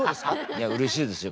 いやうれしいですよ